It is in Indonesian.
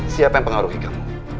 siapa yang pengaruhi kamu